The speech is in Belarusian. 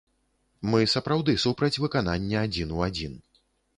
Мы сапраўды супраць выканання адзін у адзін.